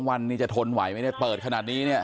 ๑๒วันนี้จะทนไหวไหมเปิดขนาดนี้